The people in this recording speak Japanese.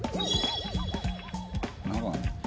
長野？